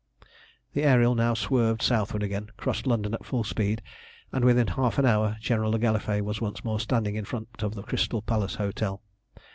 The Ariel now swerved southward again, crossed London at full speed, and within half an hour General le Gallifet was once more standing in front of the Crystal Palace Hotel.